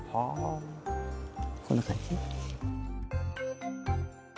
こんな感じ。